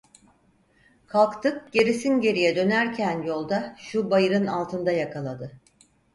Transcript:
Kalktık gerisin geriye dönerken yolda, şu bayırın altında yakaladı.